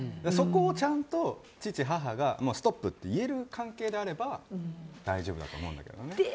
そこをちゃんと父、母がストップと言える関係であれば大丈夫だと思うんだけどね。